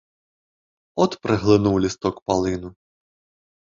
От праглынуў лісток палыну.